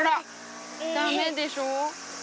ダメでしょ。